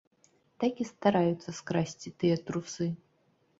Так і стараюцца скрасці тыя трусы!